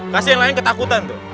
kasih yang lain ketakutan tuh